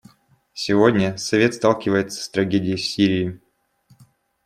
Сегодня Совет сталкивается с трагедией в Сирии.